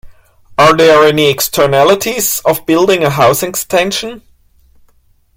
Are there any externalities of building a house extension?